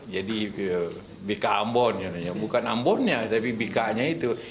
jadi bk ambon bukan ambonnya tapi bk nya itu